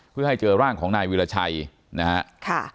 เพื่อให้เจอร่างของนายวิราชัยนะฮะ